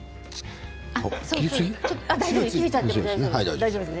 大丈夫です。